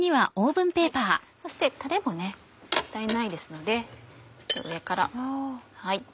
そしてたれももったいないですので上から。